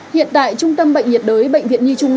hiện tại trung tâm bệnh nhiệt đới bệnh viện nhi trung ương